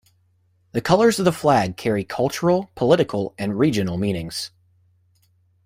The colors of the flag carry cultural, political, and regional meanings.